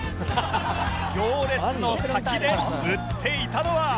行列の先で売っていたのは